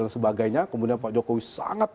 sebagainya kemudian pak jokowi sangat